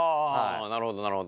なるほどなるほど。